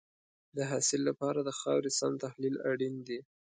د حاصل لپاره د خاورې سم تحلیل اړین دی.